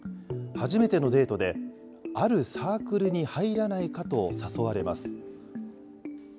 初めてのデートで、あるサークルに入らないかと誘われます。